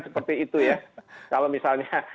seperti itu ya kalau misalnya